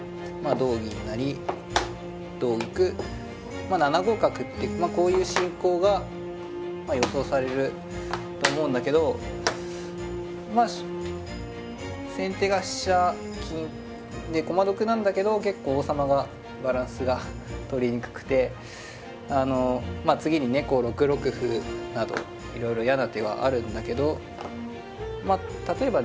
同銀成同玉７五角ってまあこういう進行が予想されると思うんだけどまあ先手が飛車金で駒得なんだけど結構王様がバランスがとりにくくてあの次にねこう６六歩などいろいろ嫌な手はあるんだけど例えばね